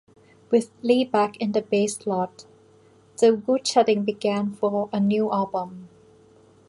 With Lee back in the bass slot, the woodshedding began for a new album.